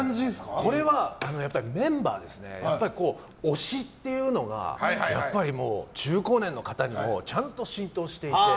これは、やっぱりメンバーやっぱり推しっていうのが中高年の方にもちゃんと浸透していて。